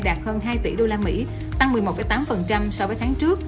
đạt hơn hai tỷ usd tăng một mươi một tám so với tháng trước